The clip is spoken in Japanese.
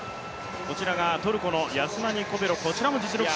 こちらがトルコのヤスマニ・コペロ、こちらも実力者。